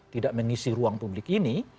tidak mengisi ruang publik ini